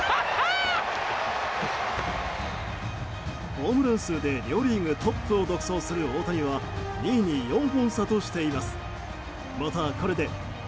ホームラン数で両リーグトップを独走する大谷は２位に４本差としています。